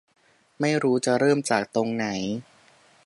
ไม่รู้จะเริ่มจากตรงไหน